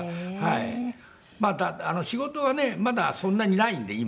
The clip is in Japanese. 仕事はねまだそんなにないんで今。